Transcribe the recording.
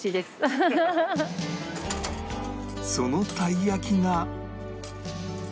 そのたい焼きがこちら